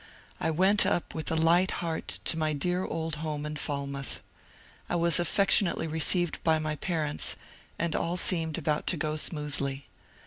I went up with a light heart to my dear old home in Falmouth. I was affectionately received by my parents, and all seemed about to go smoothly.